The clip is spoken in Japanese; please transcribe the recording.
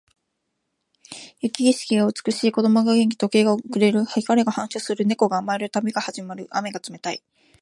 雪景色が美しい。子供が元気。時計が遅れる。光が反射する。猫が甘える。旅が始まる。雨が冷たい。